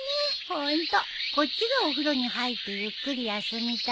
ホントこっちがお風呂に入ってゆっくり休みたいよ。